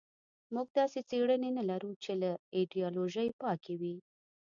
موږ داسې څېړنې نه لرو چې له ایدیالوژۍ پاکې وي.